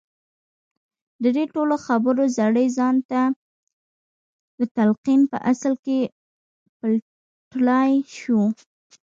د دې ټولو خبرو زړی ځان ته د تلقين په اصل کې پلټلای شو.